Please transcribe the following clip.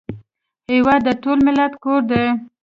هېواد د ټول ملت کور دی